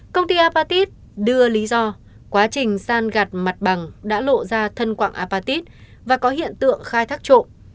công ty apatis đưa lý do quá trình san gạt mặt bằng đã lộ ra thân quạng apatit và có hiện tượng khai thác trộm